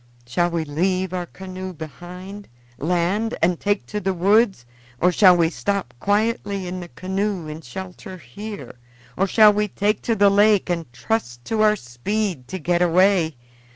Shall we leave our canoe behind, land, and take to the woods, or shall we stop quietly in the canoe in shelter here, or shall we take to the lake and trust to our speed to get away?